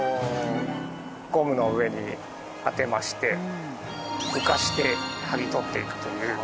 ゴムの上に当てまして浮かして剥ぎ取っていくという。